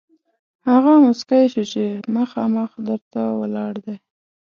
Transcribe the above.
هغه موسکی شو چې مخامخ در ته ولاړ دی.